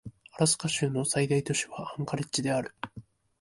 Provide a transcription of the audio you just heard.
アラスカ州の最大都市はアンカレッジである